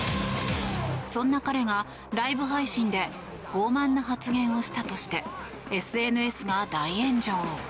そんな彼がライブ配信でごう慢な発言をしたとしてＳＮＳが大炎上。